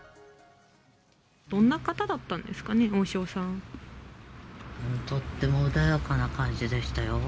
どんな方だったんですかね、とても穏やかな感じでしたよ。